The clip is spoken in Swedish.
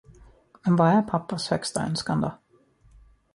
Men vad är pappas högsta önskan då?